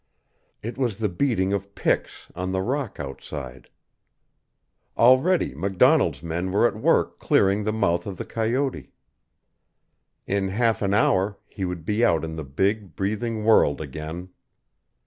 It was the beating of picks on the rock outside. Already MacDonald's men were at work clearing the mouth of the coyote. In half an hour he would be out in the big, breathing world again.